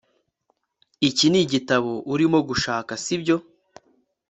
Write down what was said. Iki nigitabo urimo gushaka sibyo